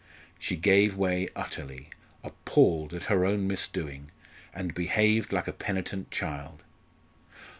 She gave way utterly, appalled at her own misdoing, and behaved like a penitent child.